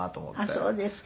あっそうですか。